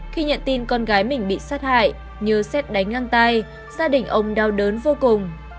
khi nhận tin con gái mình bị sát hại như xét đánh ăn tai gia đình ông đau đớn vô cùng